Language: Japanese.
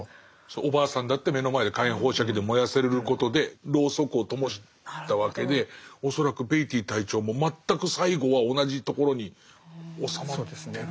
おばあさんだって目の前で火炎放射器で燃やされることでロウソクを灯したわけで恐らくベイティー隊長も全く最後は同じところに収まってる気がする。